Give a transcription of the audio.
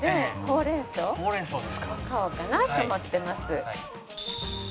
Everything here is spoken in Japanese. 買おうかなと思ってます。